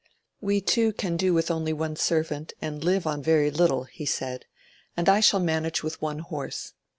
"We two can do with only one servant, and live on very little," he said, "and I shall manage with one horse."